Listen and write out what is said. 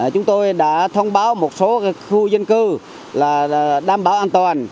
chúng tôi đã thông báo một số khu dân cư là đảm bảo an toàn